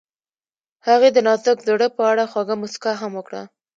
هغې د نازک زړه په اړه خوږه موسکا هم وکړه.